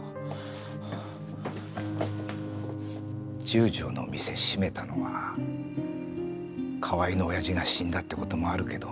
十条の店閉めたのは河合のオヤジが死んだって事もあるけど